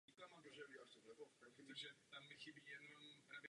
Vývoj probíhal za přísného utajení.